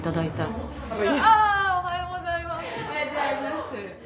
おはようございます。